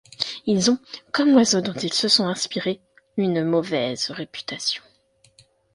Ils ont, comme l'oiseau dont ils sont inspirés, une mauvaise réputation.